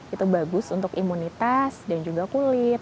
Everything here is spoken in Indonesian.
itu bagus untuk imunitas dan juga kulit